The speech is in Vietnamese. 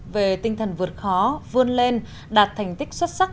về tinh thần vượt khó vươn lên đạt thành tích xuất sắc